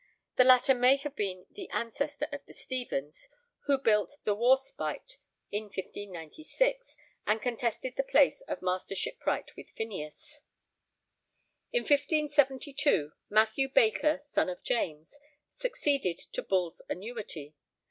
The latter may have been the ancestor of the Stevens who built the Warspite in 1596, and contested the place of Master Shipwright with Phineas. In 1572 Mathew Baker, son of James, succeeded to Bull's annuity.